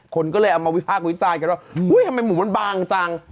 คนก็เลยเอามาวิพากษ์วิจารณ์กันว่าอุ้ยทำไมหมูมันบางจัง